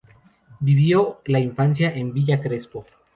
Vivió la infancia en Villa Crespo.